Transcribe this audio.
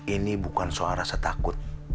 ini bukan soal rasa takut